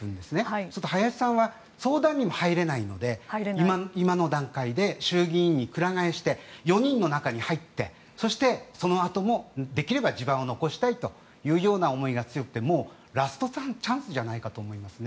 そうすると林さんは相談にも入れないので今の段階で衆議院にくら替えして４人の中に入ってそして、そのあともできれば地盤を残したいという思いが強くてもうラストチャンスじゃないかと思いますね。